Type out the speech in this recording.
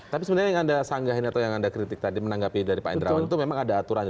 tapi sebenarnya yang anda sanggahin atau yang anda kritik tadi menanggapi dari pak indrawan itu memang ada aturannya